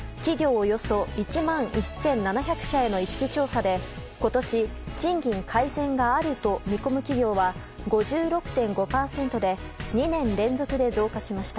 およそ１万１７００社への意識調査で今年、賃金改善があると見込む企業は５６．５％で２年連続で増加しました。